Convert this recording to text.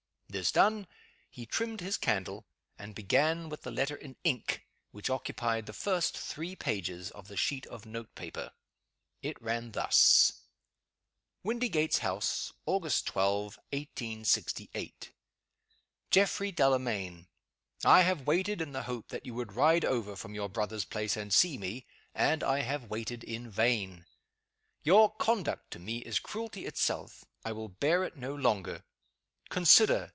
This done, he trimmed his candle, and began with the letter in ink, which occupied the first three pages of the sheet of note paper. It ran thus: "WINDYGATES HOUSE, August 12, 1868. "GEOFFREY DELAMAYN, I have waited in the hope that you would ride over from your brother's place, and see me and I have waited in vain. Your conduct to me is cruelty itself; I will bear it no longer. Consider!